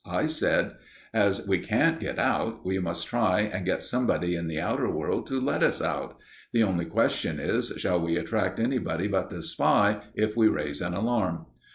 I said: "As we can't get out, we must try and get somebody in the outer world to let us out. The only question is, shall we attract anybody but the spy if we raise an alarm?"